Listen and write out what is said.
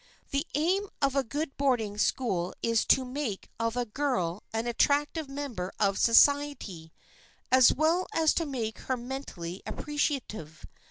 The aim of a good boarding school is to make of a girl an attractive member of society as well as to make her mentally appreciative.